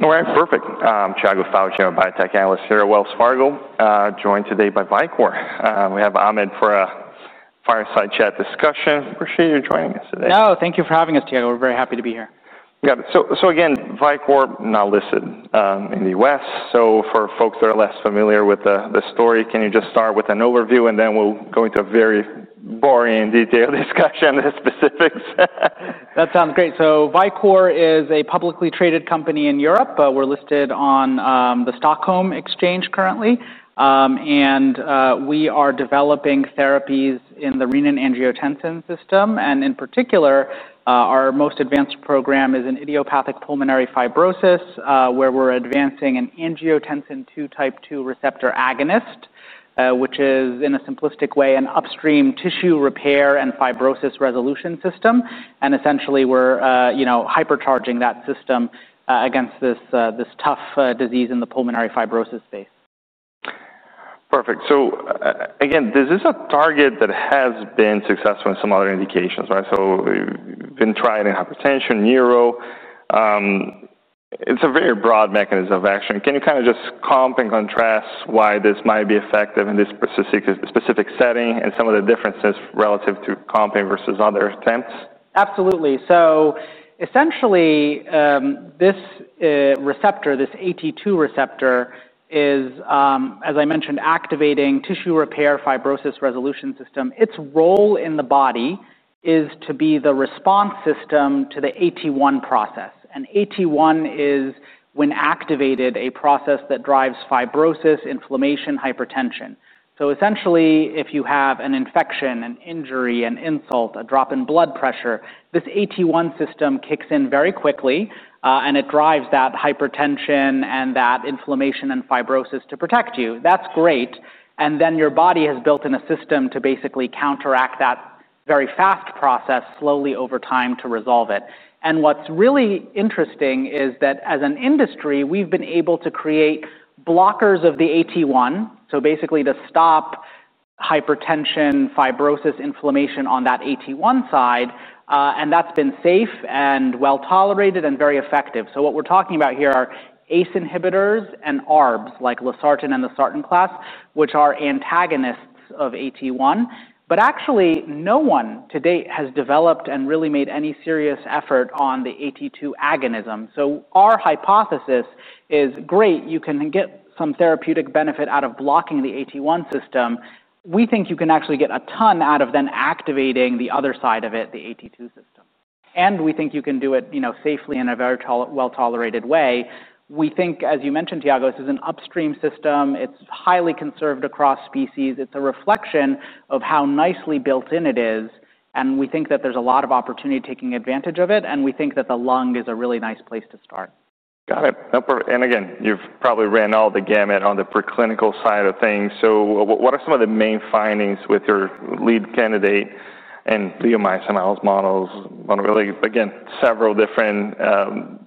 All right, perfect. I'm Tiago biotech analyst here at Wells Fargo, joined today by Vicore. We have Ahmed for a fireside chat discussion. Appreciate you joining us today. No, thank you for having us together. We're very happy to be here. Got it. Vicore now listed in the U.S. For folks that are less familiar with the story, can you just start with an overview and then we'll go into a very boring and detailed discussion of the specifics? That sounds great. Vicore Pharma is a publicly traded company in Europe. We're listed on the Stockholm Exchange currently, and we are developing therapies in the renin-angiotensin system. In particular, our most advanced program is in idiopathic pulmonary fibrosis, where we're advancing an angiotensin II type 2 receptor agonist, which is, in a simplistic way, an upstream tissue repair and fibrosis resolution system. Essentially, we're hypercharging that system against this tough disease in the pulmonary fibrosis space. Perfect. This is a target that has been successful in some other indications, right? We've been trying it in hypertension, neuro. It's a very broad mechanism of action. Can you kind of just compare and contrast why this might be effective in this specific setting and some of the differences relative to comparing versus other attempts? Absolutely. Essentially, this receptor, this AT2 receptor, is, as I mentioned, activating tissue repair fibrosis resolution system. Its role in the body is to be the response system to the AT1 process. AT1 is, when activated, a process that drives fibrosis, inflammation, hypertension. If you have an infection, an injury, an insult, a drop in blood pressure, this AT1 system kicks in very quickly. It drives that hypertension and that inflammation and fibrosis to protect you. That's great. Your body has built in a system to basically counteract that very fast process slowly over time to resolve it. What's really interesting is that, as an industry, we've been able to create blockers of the AT1, basically to stop hypertension, fibrosis, inflammation on that AT1 side. That's been safe and well tolerated and very effective. What we're talking about here are ACE inhibitors and ARBs, like losartan and losartan class, which are antagonists of AT1. Actually, no one to date has developed and really made any serious effort on the AT2 agonism. Our hypothesis is, great, you can get some therapeutic benefit out of blocking the AT1 system. We think you can actually get a ton out of then activating the other side of it, the AT2 system. We think you can do it safely in a very well-tolerated way. We think, as you mentioned, Tiago, this is an upstream system. It's highly conserved across species. It's a reflection of how nicely built in it is. We think that there's a lot of opportunity taking advantage of it. We think that the lung is a really nice place to start. Got it. You've probably ran all the gamut on the preclinical side of things. What are some of the main findings with your lead candidate in bleomycin models? Several different,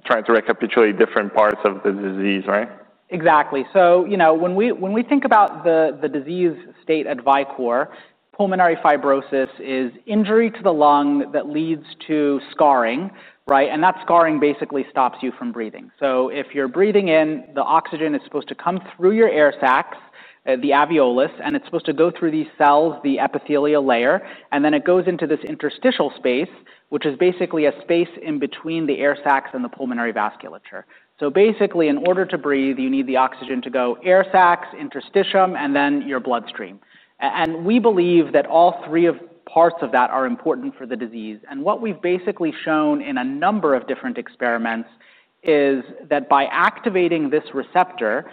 trying to recapitulate different parts of the disease, right? Exactly. When we think about the disease state at Vicore, pulmonary fibrosis is injury to the lung that leads to scarring, right? That scarring basically stops you from breathing. If you're breathing in, the oxygen is supposed to come through your air sacs, the alveolus, and it's supposed to go through these cells, the epithelial layer. It then goes into this interstitial space, which is basically a space in between the air sacs and the pulmonary vasculature. In order to breathe, you need the oxygen to go air sacs, interstitium, and then your bloodstream. We believe that all three parts of that are important for the disease. What we've basically shown in a number of different experiments is that by activating this receptor,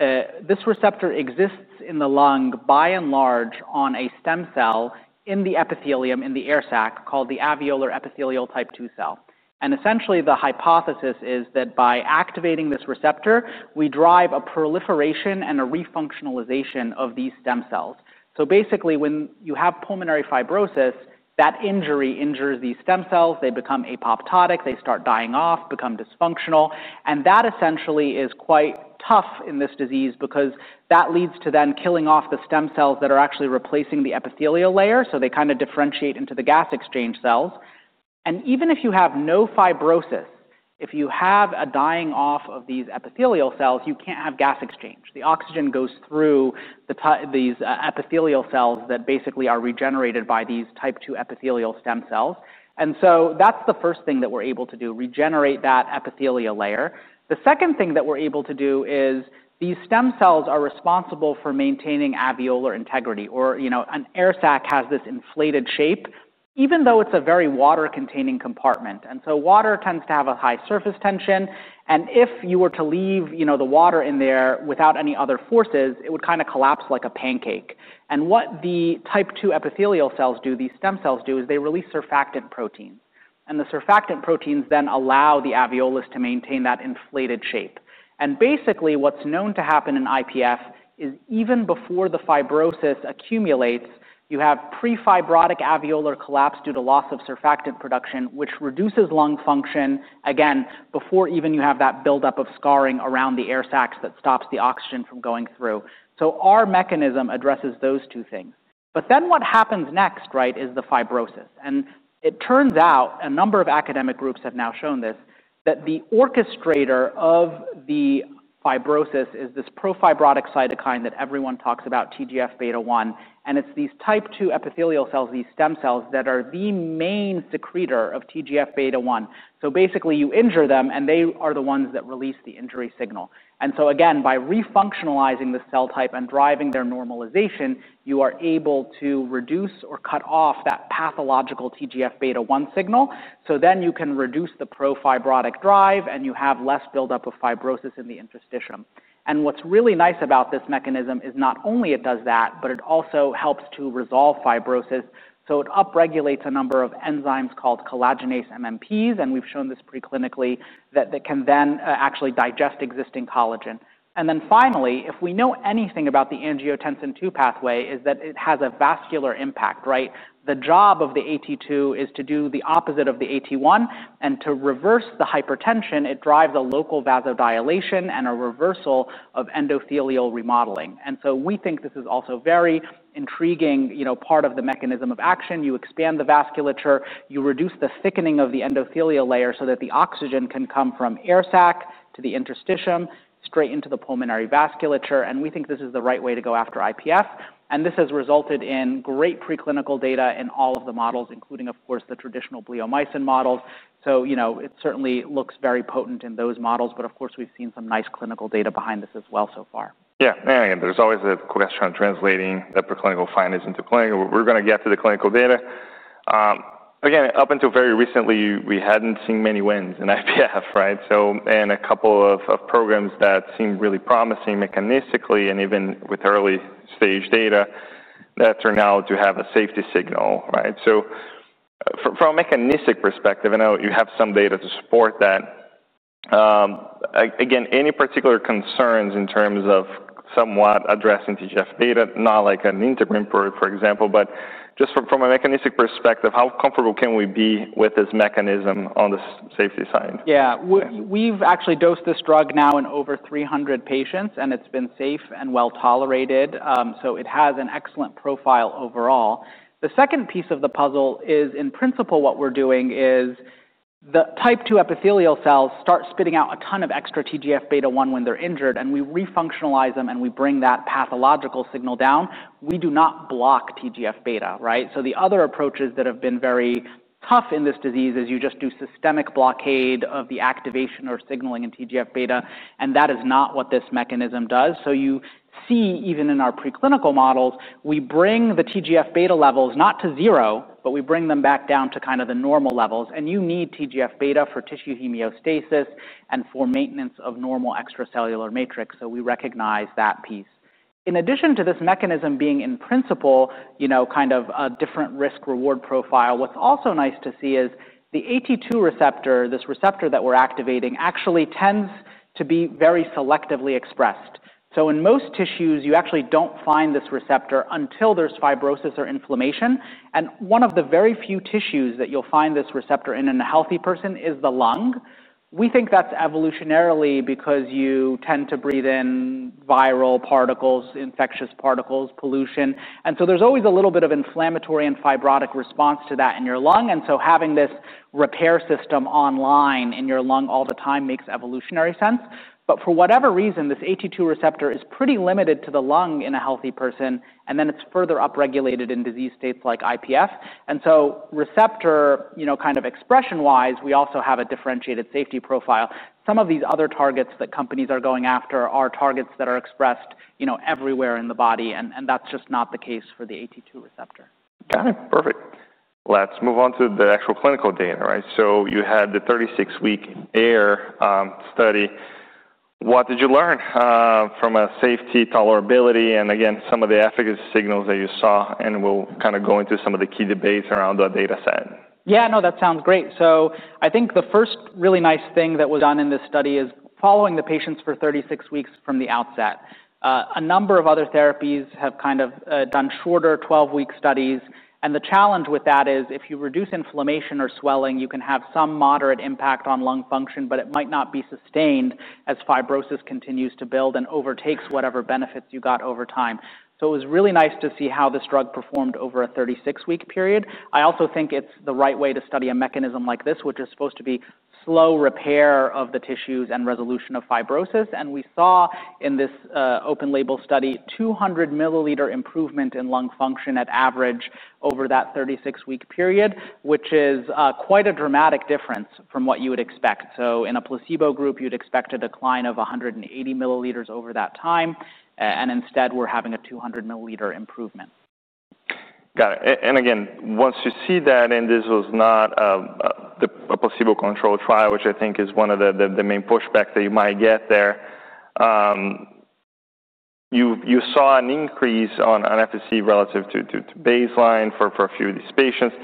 this receptor exists in the lung by and large on a stem cell in the epithelium, in the air sac, called the alveolar epithelial type II cell. Essentially, the hypothesis is that by activating this receptor, we drive a proliferation and a refunctionalization of these stem cells. When you have pulmonary fibrosis, that injury injures these stem cells. They become apoptotic. They start dying off, become dysfunctional. That essentially is quite tough in this disease because that leads to then killing off the stem cells that are actually replacing the epithelial layer. They kind of differentiate into the gas exchange cells. Even if you have no fibrosis, if you have a dying off of these epithelial cells, you can't have gas exchange. The oxygen goes through these epithelial cells that basically are regenerated by these type II epithelial stem cells. That's the first thing that we're able to do, regenerate that epithelial layer. The second thing that we're able to do is these stem cells are responsible for maintaining alveolar integrity. An air sac has this inflated shape, even though it's a very water-containing compartment. Water tends to have a high surface tension. If you were to leave the water in there without any other forces, it would kind of collapse like a pancake. What the type II epithelial cells do, these stem cells do, is they release surfactant proteins. The surfactant proteins then allow the alveolus to maintain that inflated shape. Basically, what's known to happen in IPF is even before the fibrosis accumulates, you have pre-fibrotic alveolar collapse due to loss of surfactant production, which reduces lung function, again, before you even have that buildup of scarring around the air sacs that stops the oxygen from going through. Our mechanism addresses those two things. What happens next is the fibrosis. It turns out, a number of academic groups have now shown this, that the orchestrator of the fibrosis is this pro-fibrotic cytokine that everyone talks about, TGF-β1. It's these type II epithelial cells, these stem cells, that are the main secretor of TGF-β1. Basically, you injure them, and they are the ones that release the injury signal. Again, by refunctionalizing the cell type and driving their normalization, you are able to reduce or cut off that pathological TGF-β1 signal. You can reduce the pro-fibrotic drive, and you have less buildup of fibrosis in the interstitium. What's really nice about this mechanism is not only does it do that, but it also helps to resolve fibrosis. It upregulates a number of enzymes called collagenase MMPs. We've shown this preclinically, that can then actually digest existing collagen. Finally, if we know anything about the angiotensin II pathway, it is that it has a vascular impact, right? The job of the AT2 is to do the opposite of the AT1. To reverse the hypertension, it drives a local vasodilation and a reversal of endothelial remodeling. We think this is also a very intriguing part of the mechanism of action. You expand the vasculature. You reduce the thickening of the endothelial layer so that the oxygen can come from air sac to the interstitium, straight into the pulmonary vasculature. We think this is the right way to go after IPF. This has resulted in great preclinical data in all of the models, including, of course, the traditional bleomycin models. It certainly looks very potent in those models. We've seen some nice clinical data behind this as well so far. Yeah, there's always that question on translating the preclinical findings into clinical. We're going to get to the clinical data. Up until very recently, we hadn't seen many wins in IPF, right? A couple of programs that seemed really promising mechanistically, and even with early stage data, turned out to have a safety signal, right? From a mechanistic perspective, I know you have some data to support that. Any particular concerns in terms of somewhat addressing TGF-β? Not like an integrin, for example. Just from a mechanistic perspective, how comfortable can we be with this mechanism on the safety side? Yeah, we've actually dosed this drug now in over 300 patients, and it's been safe and well tolerated. It has an excellent profile overall. The second piece of the puzzle is, in principle, what we're doing is the type II epithelial cells start spitting out a ton of extra TGF-β1 when they're injured. We refunctionalize them, and we bring that pathological signal down. We do not block TGF-β, right? The other approaches that have been very tough in this disease are you just do systemic blockade of the activation or signaling in TGF-β. That is not what this mechanism does. You see, even in our preclinical models, we bring the TGF-β levels not to zero, but we bring them back down to kind of the normal levels. You need TGF-β for tissue homeostasis and for maintenance of normal extracellular matrix. We recognize that piece. In addition to this mechanism being, in principle, kind of a different risk-reward profile, what's also nice to see is the AT2 receptor, this receptor that we're activating, actually tends to be very selectively expressed. In most tissues, you actually don't find this receptor until there's fibrosis or inflammation. One of the very few tissues that you'll find this receptor in in a healthy person is the lung. We think that's evolutionarily because you tend to breathe in viral particles, infectious particles, pollution. There's always a little bit of inflammatory and fibrotic response to that in your lung. Having this repair system online in your lung all the time makes evolutionary sense. For whatever reason, this AT2 receptor is pretty limited to the lung in a healthy person. It's further upregulated in disease states like IPF. Receptor kind of expression-wise, we also have a differentiated safety profile. Some of these other targets that companies are going after are targets that are expressed everywhere in the body. That's just not the case for the AT2 receptor. Got it. Perfect. Let's move on to the actual clinical data, right? You had the 36-week AIR study. What did you learn from a safety, tolerability, and again, some of the efficacy signals that you saw? We'll kind of go into some of the key debates around that data set. Yeah, no, that sounds great. I think the first really nice thing that was done in this study is following the patients for 36 weeks from the outset. A number of other therapies have kind of done shorter 12-week studies. The challenge with that is, if you reduce inflammation or swelling, you can have some moderate impact on lung function. It might not be sustained as fibrosis continues to build and overtakes whatever benefits you got over time. It was really nice to see how this drug performed over a 36-week period. I also think it's the right way to study a mechanism like this, which is supposed to be slow repair of the tissues and resolution of fibrosis. We saw in this open-label study a 200 mL improvement in lung function at average over that 36-week period, which is quite a dramatic difference from what you would expect. In a placebo group, you'd expect a decline of 180 mL over that time. Instead, we're having a 200 mL improvement. Got it. Once you see that, and this was not a placebo-controlled trial, which I think is one of the main pushbacks that you might get there, you saw an increase on efficacy relative to baseline for a few of these patients.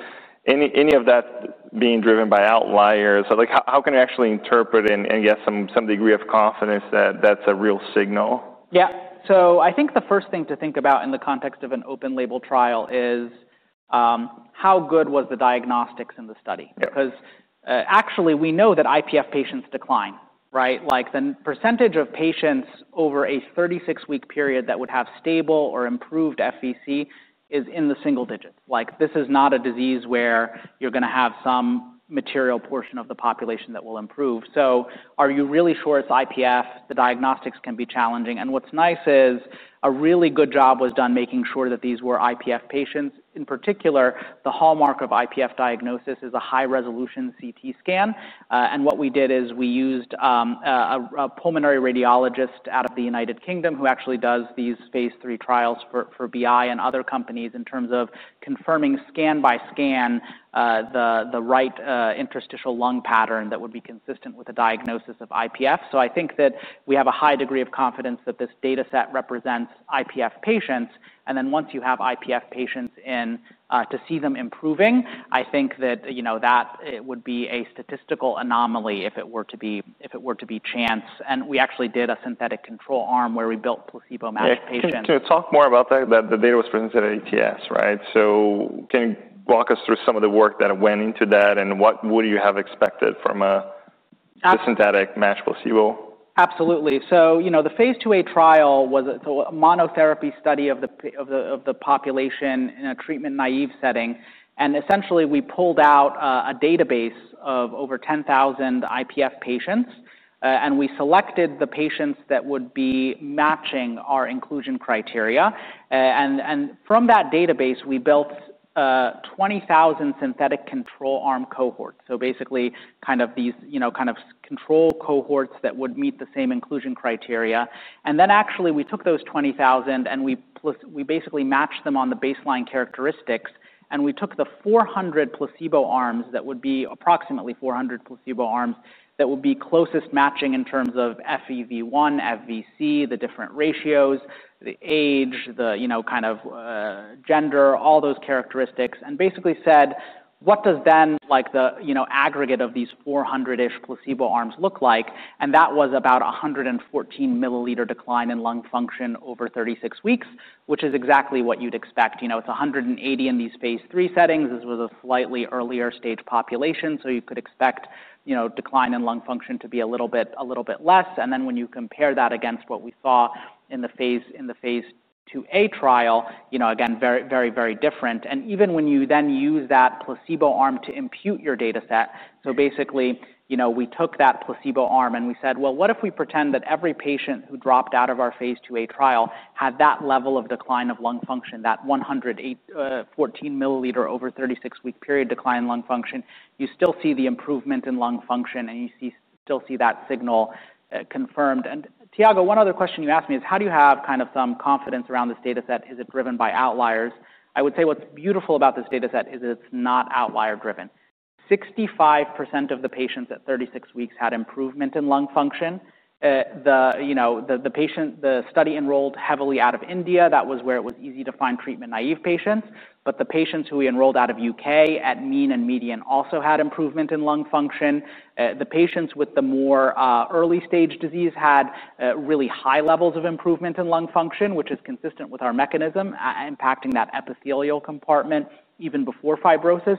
Is any of that being driven by outliers? How can you actually interpret and get some degree of confidence that that's a real signal? Yeah. I think the first thing to think about in the context of an open-label trial is, how good was the diagnostics in the study? Because actually, we know that IPF patients decline, right? Like the percentage of patients over a 36-week period that would have stable or improved FVC is in the single digit. This is not a disease where you're going to have some material portion of the population that will improve. Are you really sure it's IPF? The diagnostics can be challenging. What's nice is a really good job was done making sure that these were IPF patients. In particular, the hallmark of IPF diagnosis is a high-resolution CT scan. What we did is we used a pulmonary radiologist out of the United Kingdom who actually does these phase III trials for BI and other companies in terms of confirming scan by scan the right interstitial lung pattern that would be consistent with a diagnosis of IPF. I think that we have a high degree of confidence that this data set represents IPF patients. Once you have IPF patients to see them improving, I think that it would be a statistical anomaly if it were to be chance. We actually did a synthetic control arm where we built placebo matched patients. To talk more about that, the data was presented at the ATS, right? Can you walk us through some of the work that went into that? What would you have expected from a synthetic matched placebo? Absolutely. The phase II-A trial was a monotherapy study of the population in a treatment-naive setting. Essentially, we pulled out a database of over 10,000 IPF patients. We selected the patients that would be matching our inclusion criteria. From that database, we built 20,000 synthetic control arm cohorts, basically these control cohorts that would meet the same inclusion criteria. We took those 20,000 and matched them on the baseline characteristics. We took the approximately 400 placebo arms that would be closest matching in terms of FEV1, FVC, the different ratios, the age, the gender, all those characteristics, and basically said, what does the aggregate of these 400-ish placebo arms look like? That was about a 114 mL decline in lung function over 36 weeks, which is exactly what you'd expect. It's 180 in these phase III settings. This was a slightly earlier stage population, so you could expect decline in lung function to be a little bit less. When you compare that against what we saw in the phase II-A trial, again, very, very different. Even when you use that placebo arm to impute your data set, we took that placebo arm and said, what if we pretend that every patient who dropped out of our phase 2a trial had that level of decline of lung function, that 114 mL over a 36-week period decline in lung function? You still see the improvement in lung function, and you still see that signal confirmed. Tiago, one other question you asked me is, how do you have some confidence around this data set? Is it driven by outliers? I would say what's beautiful about this data set is it's not outlier driven. 65% of the patients at 36 weeks had improvement in lung function. The study enrolled heavily out of India, where it was easy to find treatment-naive patients. The patients who we enrolled out of U.K. at mean and median also had improvement in lung function. The patients with the more early stage disease had really high levels of improvement in lung function, which is consistent with our mechanism impacting that epithelial compartment even before fibrosis.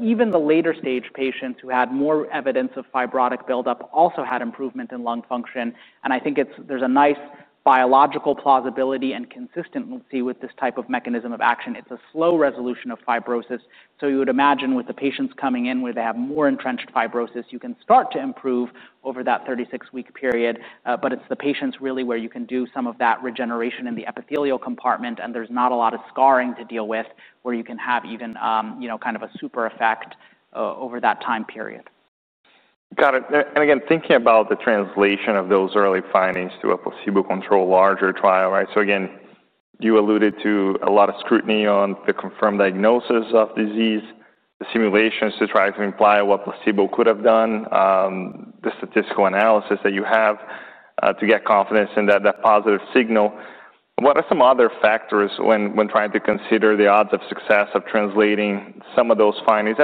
Even the later stage patients who had more evidence of fibrotic buildup also had improvement in lung function. I think there's a nice biological plausibility and consistency with this type of mechanism of action. It's a slow resolution of fibrosis. You would imagine with the patients coming in where they have more entrenched fibrosis, you can start to improve over that 36-week period. It's the patients really where you can do some of that regeneration in the epithelial compartment, and there's not a lot of scarring to deal with, where you can have even kind of a super effect over that time period. Got it. Again, thinking about the translation of those early findings to a placebo-controlled larger trial, right? You alluded to a lot of scrutiny on the confirmed diagnosis of disease, the simulations to try to imply what placebo could have done, the statistical analysis that you have to get confidence in that positive signal. What are some other factors when trying to consider the odds of success of translating some of those findings?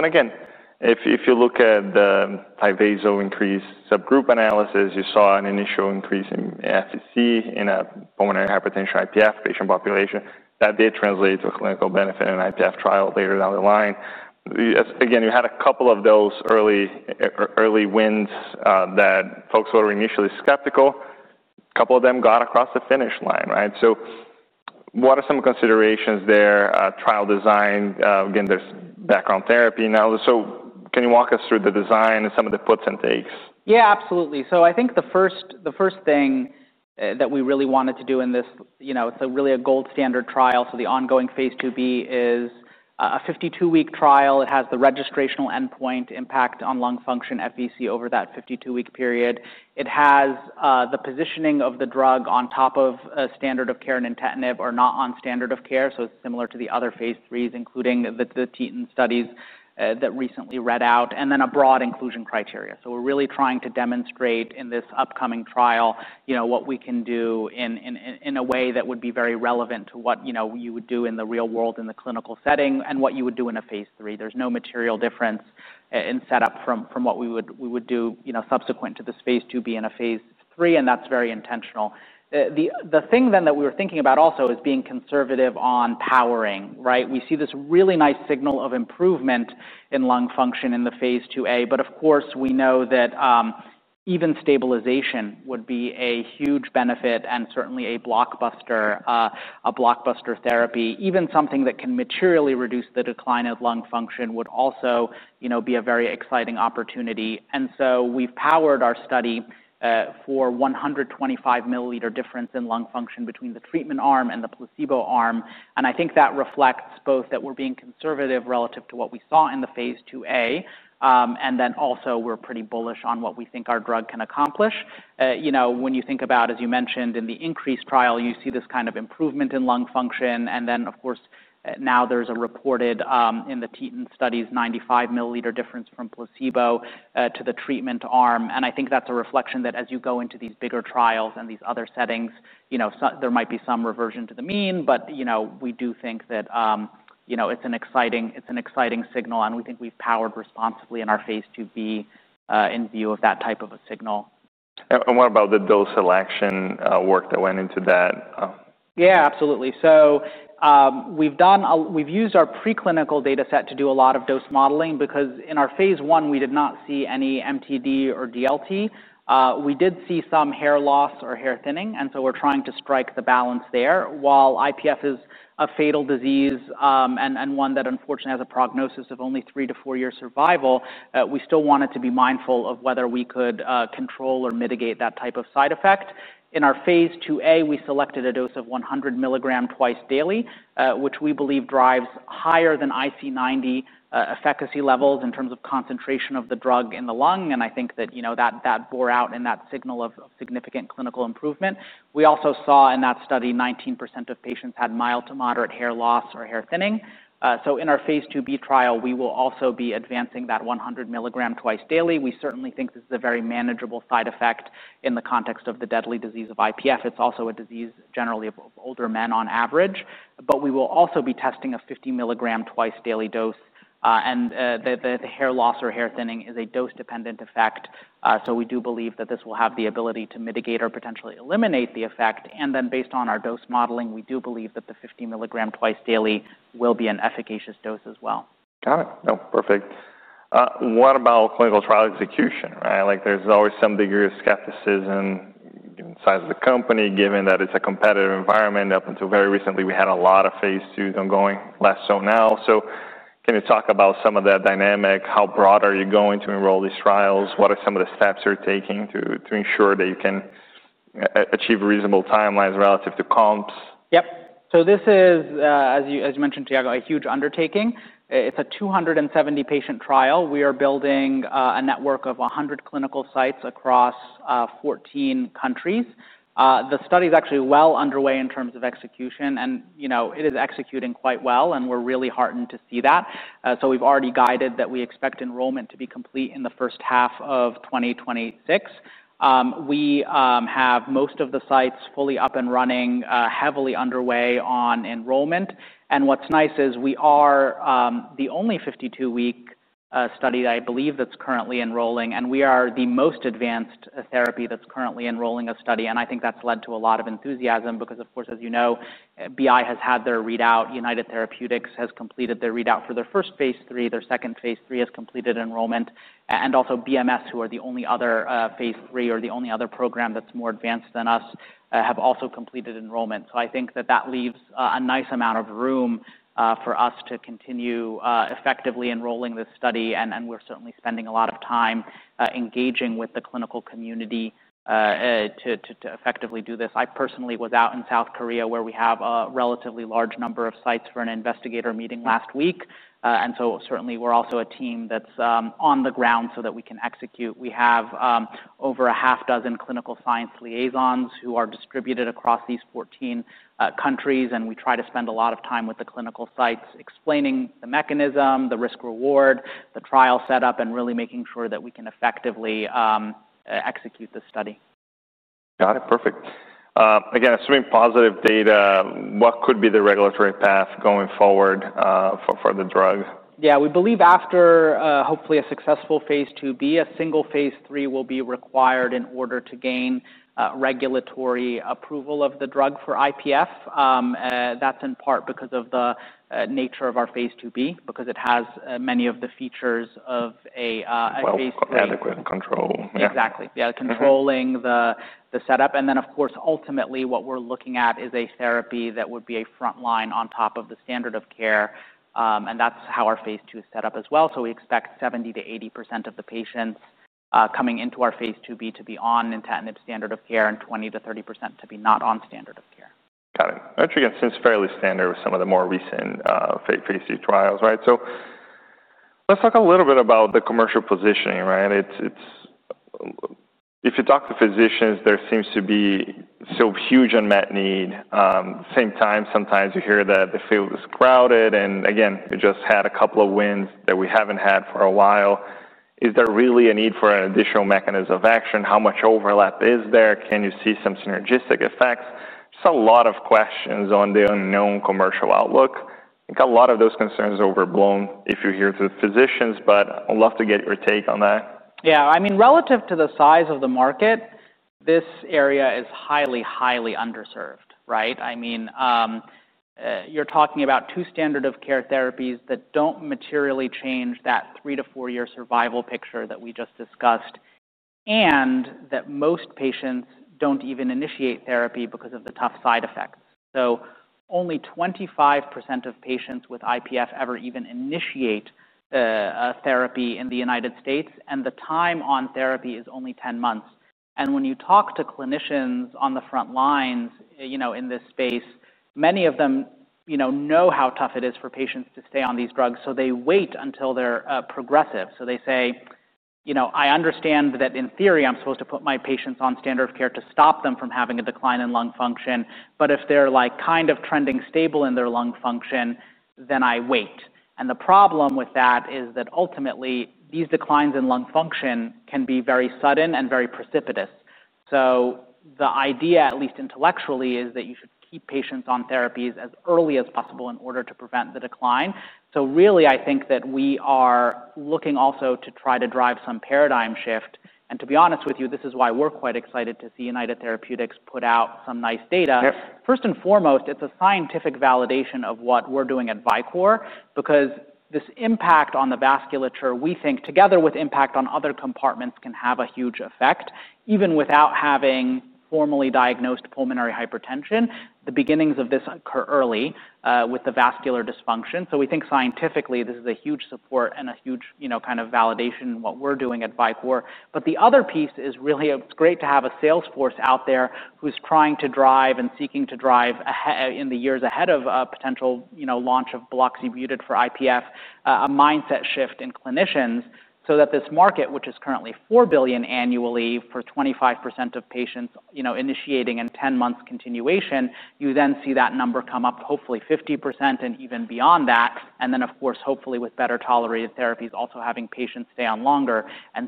If you look at the high-vaso increase subgroup analysis, you saw an initial increase in FVC in a pulmonary hypertension IPF patient population. That did translate to a clinical benefit in an IPF trial later down the line. You had a couple of those early wins that folks were initially skeptical. A couple of them got across the finish line, right? What are some considerations there? Trial design, there's background therapy now. Can you walk us through the design and some of the puts and takes? Yeah, absolutely. I think the first thing that we really wanted to do in this, it's really a gold standard trial. The ongoing phase 2b is a 52-week trial. It has the registrational endpoint impact on lung function FVC over that 52-week period. It has the positioning of the drug on top of standard of care nintedanib or not on standard of care. It's similar to the other phase 3s, including the [TETEN] studies that recently read out, and then a broad inclusion criteria. We're really trying to demonstrate in this upcoming trial what we can do in a way that would be very relevant to what you would do in the real world in the clinical setting and what you would do in a phase 3. There's no material difference in setup from what we would do subsequent to this phase 2b in a phase 3, and that's very intentional. The thing that we were thinking about also is being conservative on powering, right? We see this really nice signal of improvement in lung function in the phase 2a. Of course, we know that even stabilization would be a huge benefit and certainly a blockbuster therapy. Even something that can materially reduce the decline of lung function would also be a very exciting opportunity. We've powered our study for a 125 mL difference in lung function between the treatment arm and the placebo arm. I think that reflects both that we're being conservative relative to what we saw in the phase 2a. Also, we're pretty bullish on what we think our drug can accomplish. When you think about, as you mentioned, in the [INCREASE] trial, you see this kind of improvement in lung function. Of course, now there's a reported in the [TETEN] studies 95 mL difference from placebo to the treatment arm. I think that's a reflection that as you go into these bigger trials and these other settings, there might be some reversion to the mean. We do think that it's an exciting signal, and we think we've powered responsibly in our phase 2b in view of that type of a signal. What about the dose selection work that went into that? Yeah, absolutely. We've used our preclinical data set to do a lot of dose modeling because in our phase I, we did not see any MTD or DLT. We did see some hair loss or hair thinning. We're trying to strike the balance there. While IPF is a fatal disease and one that unfortunately has a prognosis of only three to four years survival, we still wanted to be mindful of whether we could control or mitigate that type of side effect. In our phase II-A, we selected a dose of 100 mL twice daily, which we believe drives higher than IC90 efficacy levels in terms of concentration of the drug in the lung. I think that bore out in that signal of significant clinical improvement. We also saw in that study 19% of patients had mild to moderate hair loss or hair thinning. In our phase II-B trial, we will also be advancing that 100 mL twice daily. We certainly think this is a very manageable side effect in the context of the deadly disease of IPF. It's also a disease generally of older men on average. We will also be testing a 50 mL twice daily dose. The hair loss or hair thinning is a dose-dependent effect. We do believe that this will have the ability to mitigate or potentially eliminate the effect. Based on our dose modeling, we do believe that the 50 mL twice daily will be an efficacious dose as well. Got it. No, perfect. What about clinical trial execution? Like there's always some degree of skepticism inside of the company, given that it's a competitive environment. Up until very recently, we had a lot of phase IIs ongoing, less so now. Can you talk about some of that dynamic? How broad are you going to enroll these trials? What are some of the steps you're taking to ensure that you can achieve reasonable timelines relative to comps? Yep. This is, as you mentioned, Tiago, a huge undertaking. It's a 270-patient trial. We are building a network of 100 clinical sites across 14 countries. The study is actually well underway in terms of execution. It is executing quite well. We're really heartened to see that. We've already guided that we expect enrollment to be complete in the first half of 2026. We have most of the sites fully up and running, heavily underway on enrollment. What's nice is we are the only 52-week study that I believe is currently enrolling. We are the most advanced therapy that's currently enrolling a study. I think that's led to a lot of enthusiasm because, of course, as you know, BI has had their readout. United Therapeutics has completed their readout for their first phase III. Their second phase III has completed enrollment. Also, BMS, who are the only other phase III or the only other program that's more advanced than us, have also completed enrollment. I think that leaves a nice amount of room for us to continue effectively enrolling this study. We're certainly spending a lot of time engaging with the clinical community to effectively do this. I personally was out in South Korea, where we have a relatively large number of sites for an investigator meeting last week. We're also a team that's on the ground so that we can execute. We have over a half dozen clinical science liaisons who are distributed across these 14 countries. We try to spend a lot of time with the clinical sites explaining the mechanism, the risk-reward, the trial setup, and really making sure that we can effectively execute the study. Got it. Perfect. Again, assuming positive data, what could be the regulatory path going forward for the drug? Yeah, we believe after hopefully a successful phase II-B, a single phase III will be required in order to gain regulatory approval of the drug for IPF. That's in part because of the nature of our phase II-B, because it has many of the features of a phase II. Quite adequate control. Exactly. Yeah, controlling the setup. Of course, ultimately, what we're looking at is a therapy that would be a front line on top of the standard of care. That's how our phase II is set up as well. We expect 70%-80% of the patients coming into our phase II-B to be on nintedanib standard of care and 20%-30% to be not on standard of care. Got it. I think it seems fairly standard with some of the more recent phase II trials, right? Let's talk a little bit about the commercial positioning, right? If you talk to physicians, there seems to be so huge unmet need. At the same time, sometimes you hear that the field is crowded. You just had a couple of wins that we haven't had for a while. Is there really a need for an additional mechanism of action? How much overlap is there? Can you see some synergistic effects? Just a lot of questions on the unknown commercial outlook. I think a lot of those concerns are overblown if you hear through physicians. I'd love to get your take on that. Yeah, I mean, relative to the size of the market, this area is highly, highly underserved, right? I mean, you're talking about two standard of care therapies that don't materially change that three to four-year survival picture that we just discussed and that most patients don't even initiate therapy because of the tough side effects. Only 25% of patients with IPF ever even initiate therapy in the United States. The time on therapy is only 10 months. When you talk to clinicians on the front lines in this space, many of them know how tough it is for patients to stay on these drugs. They wait until they're progressive. They say, you know, I understand that in theory, I'm supposed to put my patients on standard of care to stop them from having a decline in lung function. If they're kind of trending stable in their lung function, then I wait. The problem with that is that ultimately, these declines in lung function can be very sudden and very precipitous. The idea, at least intellectually, is that you should keep patients on therapies as early as possible in order to prevent the decline. Really, I think that we are looking also to try to drive some paradigm shift. To be honest with you, this is why we're quite excited to see United Therapeutics put out some nice data. First and foremost, it's a scientific validation of what we're doing at Vicore because this impact on the vasculature, we think, together with impact on other compartments, can have a huge effect. Even without having formally diagnosed pulmonary hypertension, the beginnings of this occur early with the vascular dysfunction. We think scientifically, this is a huge support and a huge kind of validation in what we're doing at Vicore. The other piece is really it's great to have a sales force out there who's trying to drive and seeking to drive in the years ahead of a potential launch of buloxibutid for IPF, a mindset shift in clinicians so that this market, which is currently $4 billion annually for 25% of patients initiating and 10 months continuation, you then see that number come up hopefully 50% and even beyond that. Of course, hopefully with better tolerated therapies, also having patients stay on longer.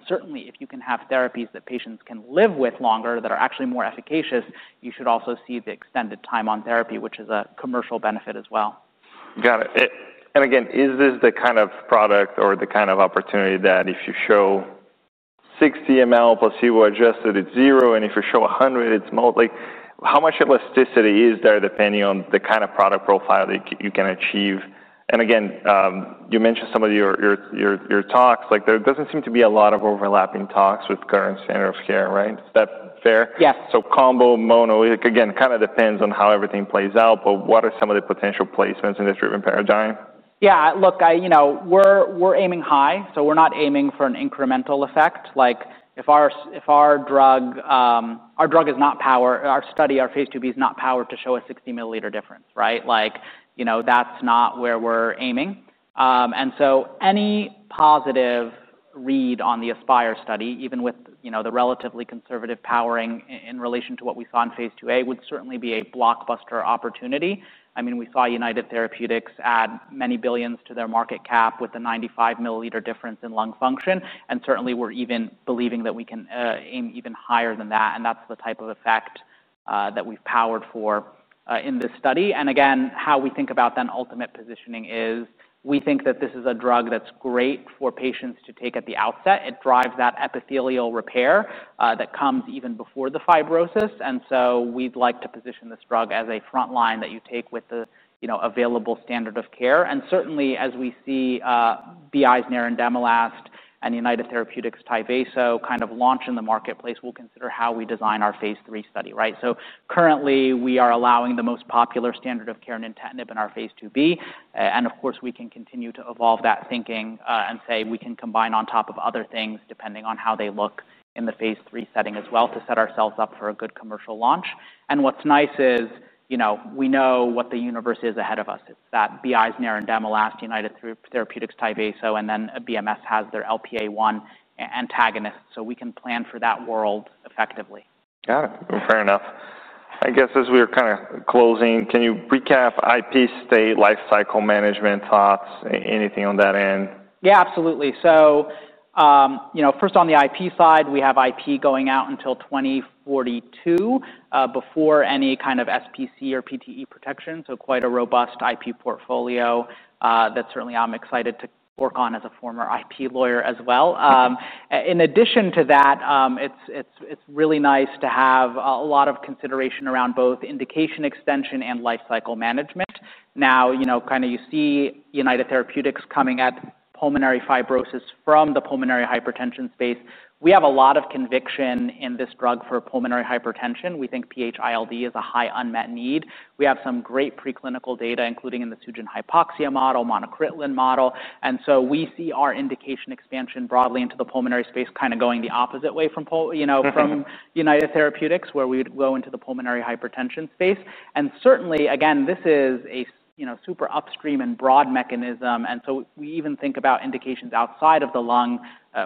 Certainly, if you can have therapies that patients can live with longer that are actually more efficacious, you should also see the extended time on therapy, which is a commercial benefit as well. Got it. Is this the kind of product or the kind of opportunity that if you show 60 mL placebo-adjusted, it's zero, and if you show 100, it's mostly how much elasticity is there depending on the kind of product profile that you can achieve? You mentioned some of your talks. There doesn't seem to be a lot of overlapping talks with current standard of care, right? Is that fair? Yes. Combo, mono, again, kind of depends on how everything plays out. What are some of the potential placements in this driven paradigm? Yeah, look, we're aiming high. We're not aiming for an incremental effect. If our drug is not powered, our study, our phase II-B is not powered to show a 60 mL difference, right? That's not where we're aiming. Any positive read on the ASPIRE study, even with the relatively conservative powering in relation to what we saw in phase II-A, would certainly be a blockbuster opportunity. We saw United Therapeutics add many billions to their market cap with a 95 mL difference in lung function. We're even believing that we can aim even higher than that. That's the type of effect that we've powered for in this study. Again, how we think about that ultimate positioning is we think that this is a drug that's great for patients to take at the outset. It drives that epithelial repair that comes even before the fibrosis. We'd like to position this drug as a front line that you take with the available standard of care. As we see BI's nerandomilast and United Therapeutics's TYVASO kind of launch in the marketplace, we'll consider how we design our phase III study, right? Currently, we are allowing the most popular standard of care nintedanib in our phase II-B. We can continue to evolve that thinking and say we can combine on top of other things depending on how they look in the phase III setting as well to set ourselves up for a good commercial launch. What's nice is we know what the universe is ahead of us. It's that BI's nerandomilast, United Therapeutics TYVASO, and then BMA has their LPA1 antagonist. We can plan for that world effectively. Yeah, fair enough. I guess as we're kind of closing, can you recap IP, stay, lifecycle management thoughts, anything on that end? Yeah, absolutely. First on the IP side, we have IP going out until 2042 before any kind of SPC or PTE protection. Quite a robust IP portfolio that certainly I'm excited to work on as a former IP lawyer as well. In addition to that, it's really nice to have a lot of consideration around both indication extension and lifecycle management. Now, you see United Therapeutics coming at pulmonary fibrosis from the pulmonary hypertension space. We have a lot of conviction in this drug for pulmonary hypertension. We think PHILD is a high unmet need. We have some great preclinical data, including in the Sugen hypoxia model, monocrotaline model. We see our indication expansion broadly into the pulmonary space, going the opposite way from United Therapeutics, where we would go into the pulmonary hypertension space. This is a super upstream and broad mechanism. We even think about indications outside of the lung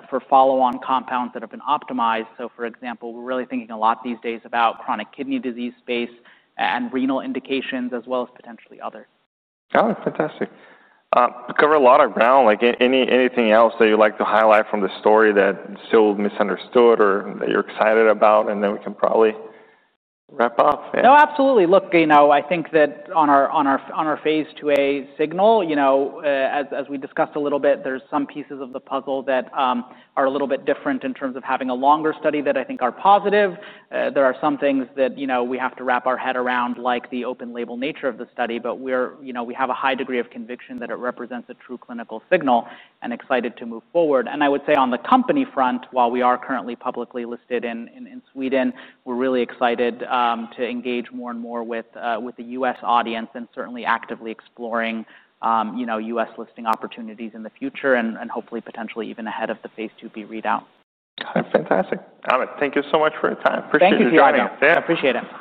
for follow-on compounds that have been optimized. For example, we're really thinking a lot these days about chronic kidney disease space and renal indications, as well as potentially other. Oh, fantastic. We covered a lot of ground. Is there anything else that you'd like to highlight from the story that's still misunderstood or that you're excited about? We can probably wrap up. No, absolutely. I think that on our phase II-A signal, as we discussed a little bit, there are some pieces of the puzzle that are a little bit different in terms of having a longer study that I think are positive. There are some things that we have to wrap our head around, like the open-label nature of the study. We have a high degree of conviction that it represents a true clinical signal and are excited to move forward. I would say on the company front, while we are currently publicly listed in Sweden, we're really excited to engage more and more with the U.S. audience and certainly actively exploring U.S. listing opportunities in the future, hopefully potentially even ahead of the phase II-B readout. Fantastic. Thank you so much for your time. Appreciate you joining us. Thank you, Tiago. Appreciate it.